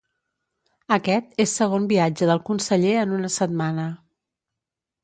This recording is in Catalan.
Aquest és segon viatge del conseller en una setmana.